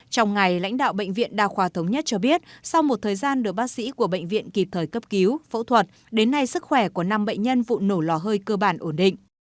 trong ngày lãnh đạo bệnh viện đa khoa thống nhất cho biết sau một thời gian được bác sĩ của bệnh viện kịp thời cấp cứu phẫu thuật đến nay sức khỏe của năm bệnh nhân vụ nổ lò hơi cơ bản ổn định